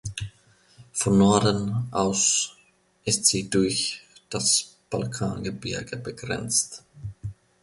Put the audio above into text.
Von Norden aus ist sie durch das Balkangebirge begrenzt.